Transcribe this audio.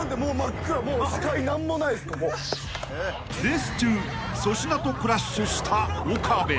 ［レース中粗品とクラッシュした岡部］